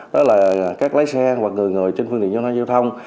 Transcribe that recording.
đó là các lái xe hoặc người người trên phương tiện giao thông